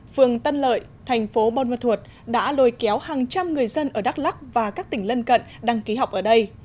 phường tân lợi thành phố bôn ma thuột đã lôi kéo hàng trăm người dân ở đắk lắc và các tỉnh lân cận đăng ký học ở đây